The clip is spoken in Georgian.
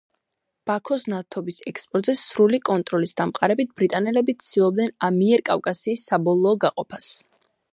ბაქოს ნავთობის ექსპორტზე სრული კონტროლის დამყარებით, ბრიტანელები ცდილობდნენ ამიერკავკასიის საბოლოო გაყოფას.